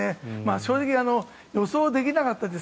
正直、予想できなかったです。